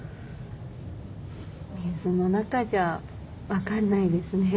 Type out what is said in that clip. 水の中じゃ分かんないですね。